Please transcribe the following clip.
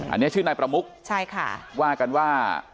อันนี้ชื่อนายประมุกว่ากันว่า